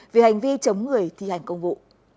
vì hành vi chống người thi hành công vụ